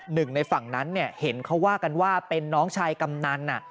หนึ่งในฝั่งนั้นเห็นเขาว่ากันว่าเป็นน้องชายกำนัน